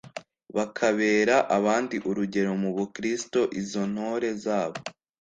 bakabera abandi urugero mubukristu. izo ntore zabo